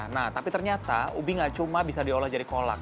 nah tapi ternyata ubi gak cuma bisa diolah jadi kolak